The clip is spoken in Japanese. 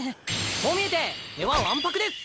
こう見えて根はわんぱくです！